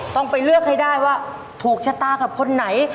ต้องไปเลือกให้ได้ว่าถูกชะตากับคนไหน